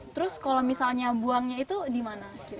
terus kalau misalnya buangnya itu di mana